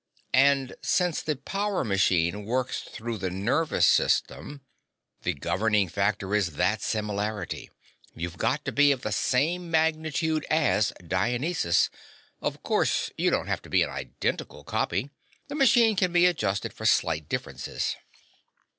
"And since the power machine works through the nervous system " "The governing factor is that similarity. You've got to be of the same magnitude as Dionysus. Of course, you don't have to be an identical copy. The machine can be adjusted for slight differences."